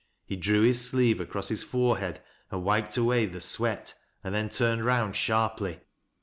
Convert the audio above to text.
He drew his sleeve across his forehead and wiped away the sweat, and then turned round sharply.